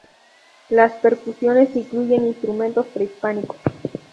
Las percusiones incluyen instrumentos prehispánicos.